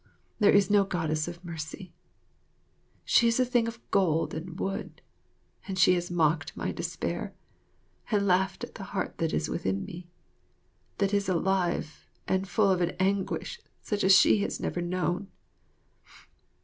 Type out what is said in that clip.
There is no Goddess of Mercy. She is a thing of gold and wood, and she has mocked my despair, has laughed at the heart that is within me, that is alive and full of an anguish such as she has never known.